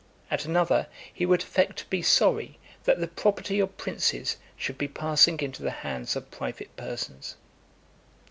at another, he would affect to be sorry that the property of princes should be passing into the hands of private persons.